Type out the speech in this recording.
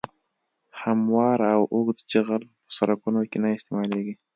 هموار او اوږد جغل په سرکونو کې نه استعمالیږي